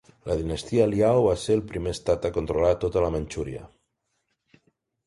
La dinastia Liao va ser el primer estat a controlar tota Manxúria.